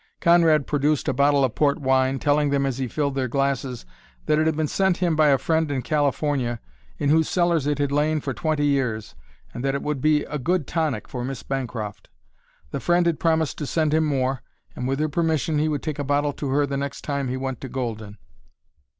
Conrad produced a bottle of port wine, telling them as he filled their glasses that it had been sent him by a friend in California in whose cellars it had lain for twenty years, and that it would be a good tonic for Miss Bancroft. The friend had promised to send him more, and with her permission he would take a bottle to her the next time he went to Golden.